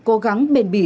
cố gắng bền bỉ